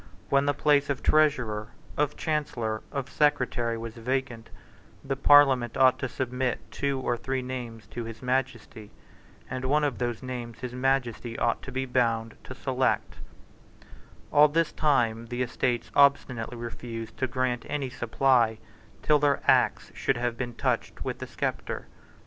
When the place of Treasurer, of Chancellor, of Secretary, was vacant, the Parliament ought to submit two or three names to his Majesty; and one of those names his Majesty ought to be bound to select, All this time the Estates obstinately refused to grant any supply till their Acts should have been touched with the sceptre.